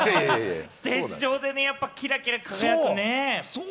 ステージ上でキラキラ輝いてね。